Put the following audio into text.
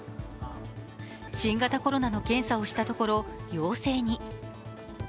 新型コロナの検査をしたところ、陽性に。